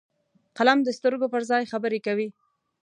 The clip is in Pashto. قلم د سترګو پر ځای خبرې کوي